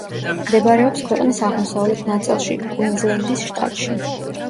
მდებარეობს ქვეყნის აღმოსავლეთ ნაწილში, კუინზლენდის შტატში.